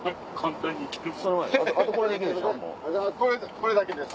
これだけです。